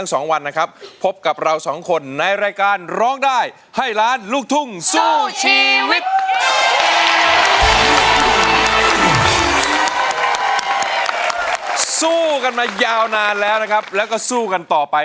สู้กันมายาวนานแล้วนะครับแล้วก็สู้กันต่อไป